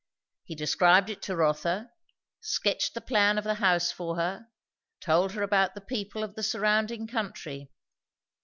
He described it to Rotha; sketched the plan of the house for her; told her about the people of the surrounding country.